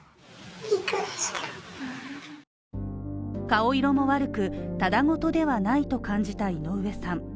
顔色も悪く、ただ事ではないと感じた井上さん。